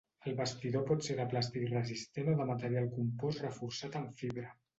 El bastidor pot ser de plàstic resistent o de material compost reforçat amb fibra.